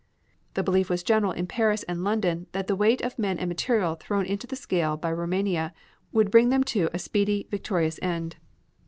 The belief was general in Paris and London that the weight of men and material thrown into the scale by Roumania would bring the to a speedy, victorious end.